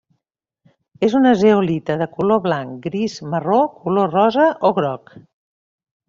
És una zeolita de color blanc, gris, marró, color, rosa o groc.